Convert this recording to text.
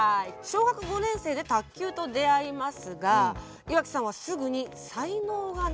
小学５年生で卓球と出会いますが岩城さんはすぐに才能がないことに気づきました。